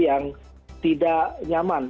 yang tidak nyaman